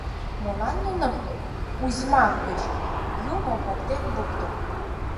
Молан нуным узьмак гыч юмо поктен луктын?